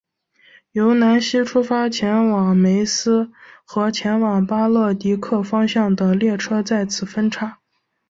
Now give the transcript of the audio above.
由南锡出发前往梅斯和前往巴勒迪克方向的列车在此分岔。